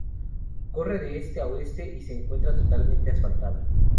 Corre de este a oeste y se encuentra totalmente asfaltada.